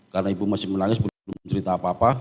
karena ibu masih menangis belum cerita apa apa